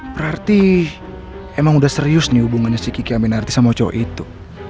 berarti emang udah serius nih hubungannya si kiki amin hati sama cowo itu